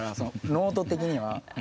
ノート的には。